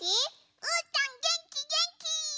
うーたんげんきげんき！